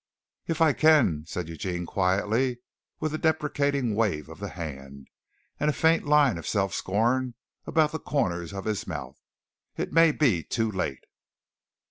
"If I can," said Eugene quietly, with a deprecating wave of the hand, and a faint line of self scorn about the corners of his mouth. "It may be too late."